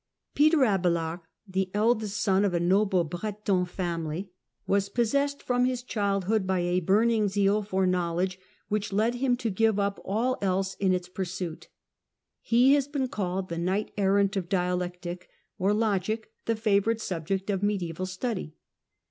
Peter Abelard, the eldest son of a noble Breton family, Abeiard 118 THE CENTRAL PERIOD OF THE MIDDLE AGE was possessed from his childhood by a burning zeal for knowledge which led him to give up all else in its pursuit. He has been called "the knight errant of dialetic," or logic, the favourite subject of mediaeval study.